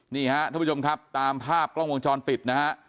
ท่านผู้ชมครับตามภาพกล้องวงจรปิดนะฮะ